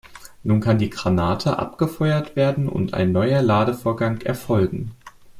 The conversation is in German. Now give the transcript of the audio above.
Nun kann die Granate abgefeuert werden und ein neuer Ladevorgang erfolgen.